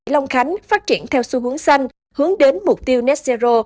long khánh phát triển theo xu hướng xanh hướng đến mục tiêu net zero